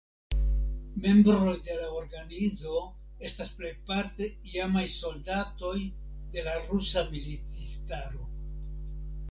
Membroj de la organizo estas plejparte iamaj soldatoj de la rusa militistaro.